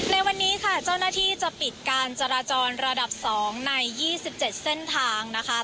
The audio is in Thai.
ในวันนี้ค่ะเจ้าหน้าที่จะปิดการจราจรระดับ๒ใน๒๗เส้นทางนะคะ